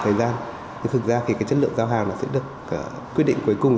thời gian thì thực ra cái chất lượng giao hàng sẽ được quyết định cuối cùng